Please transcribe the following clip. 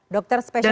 dokter spesialis anak